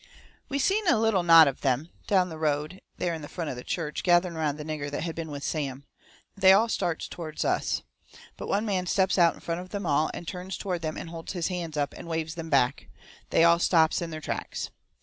We seen a little knot of them, down the road there in front of the church, gathering around the nigger that had been with Sam. They all starts toward us. But one man steps out in front of them all, and turns toward them and holds his hands up, and waves them back. They all stops in their tracks.